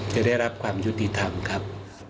จะได้รับความยุติธรรมครับ